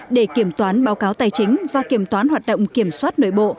để kiểm toán báo cáo tài chính và kiểm toán hoạt động kiểm soát nội bộ